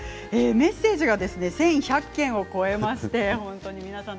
メッセージが１１００件を超えまして本当に皆さん